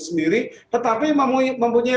sendiri tetapi mempunyai